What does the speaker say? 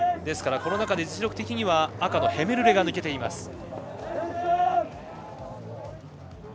この中で実力的には赤のヘメルレが抜けています。